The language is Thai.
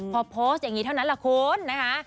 พอโพสต์อย่างนี้เท่านั้นแหละคุณนะคะ